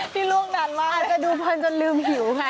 พี่ลูกนั้นมากอาจจะดูพันธุ์จนลืมหิวค่ะ